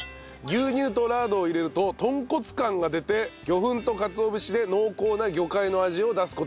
牛乳とラードを入れると豚骨感が出て魚粉とかつお節で濃厚な魚介の味を出す事ができると。